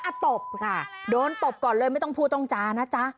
ตบค่ะโดนตบก่อนเลยไม่ต้องพูดต้องจานะจ๊ะ